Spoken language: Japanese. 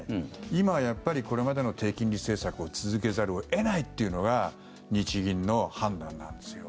今はやっぱりこれまでの低金利政策を続けざるを得ないというのが日銀の判断なんですよ。